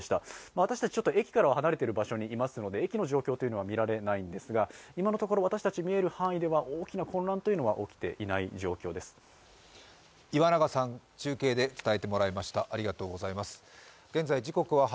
私たち駅からは離れている場所にいますので駅の状況というのは見られないんですが、今のところ、私たちが見える範囲では大きな混乱というのはできていないものとみられます。